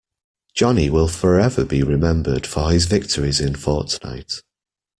Johnny will forever be remembered for his victories in Fortnite.